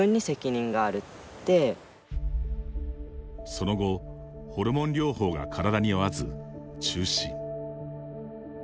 その後、ホルモン療法が体に合わず中止。